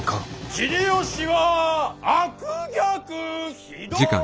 秀吉は悪逆非道なり！